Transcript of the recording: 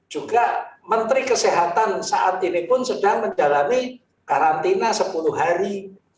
juga menteri kesehatan saat ini pun sedang menjalani karantina sepuluh hari